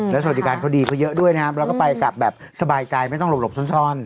แล้วสวัสดิการเขาดีเขาเยอะด้วยนะครับแล้วก็ไปกลับแบบสบายใจไม่ต้องหลบซ่อน